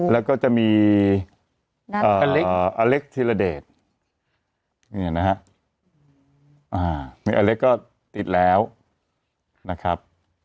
แล้วก็จะมีคนนัทกลั้่าเล็กตกทีรดเดทมีแนะฮะกูจะเล็กก็ติดแล้วนะครับ